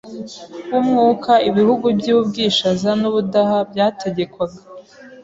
w’Umwuka Ibihugu by'u Bwishaza n'u Budaha byategekwaga